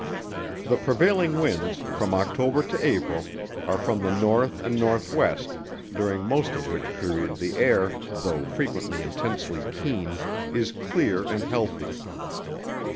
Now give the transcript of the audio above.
The prevailing winds, from October to April, are from the north and north west, during most of which period the air, though frequently intensely keen, is clear and healthy.